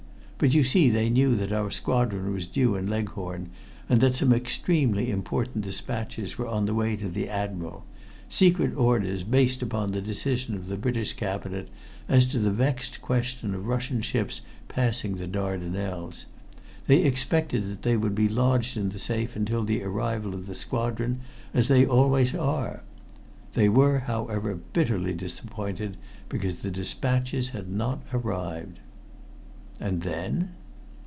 But you see they knew that our squadron was due in Leghorn, and that some extremely important despatches were on the way to the Admiral secret orders based upon the decision of the British Cabinet as to the vexed question of Russian ships passing the Dardanelles they expected that they would be lodged in the safe until the arrival of the squadron, as they always are. They were, however, bitterly disappointed because the despatches had not arrived." "And then?"